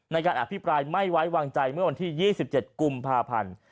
ในการอภิปรายไม่ไว้วางใจเมื่อวันที่๒๗กุมภาพันธ์